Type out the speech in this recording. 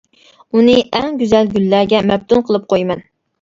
ئۇنى ئەڭ گۈزەل گۈللەرگە مەپتۇن قىلىپ قويىمەن.